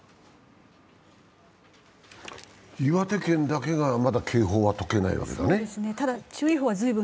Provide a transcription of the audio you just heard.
岩手県だけがまだ警報は解けないわけだね。